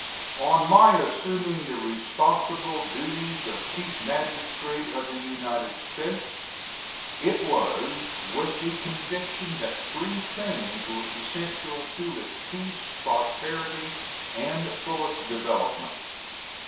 On my assuming the responsible duties of Chief Magistrate of the United States it was with the conviction that three things were essential to its peace, prosperity, and fullest development.